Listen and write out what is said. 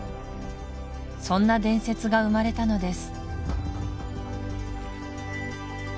そんな伝説が生まれたのです